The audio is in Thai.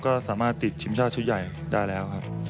ก็สามารถติดทีมชาติชุดใหญ่ได้แล้วครับ